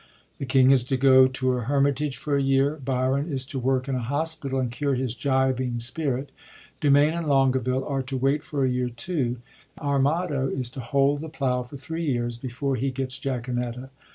The king is to go to a hermitage for a year ; Biron is to work in a hospital, and cure his gibing spirit; Dumain and Longaville are to wait for a year, too; and Armado is to hold the plough for three years before he gets Jaquenetta.